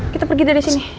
kita pergi dari sini